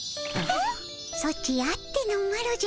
ソチあってのマロじゃ。